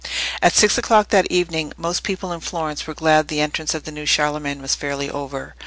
At six o'clock that evening most people in Florence were glad the entrance of the new Charlemagne was fairly over.